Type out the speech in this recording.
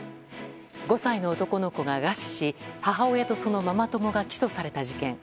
５歳の男の子が餓死し母親と、そのママ友が起訴された事件。